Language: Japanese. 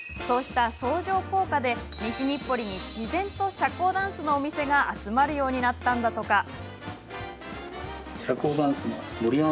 そうした相乗効果で西日暮里に自然と社交ダンスのお店が集まるようになったんだとか。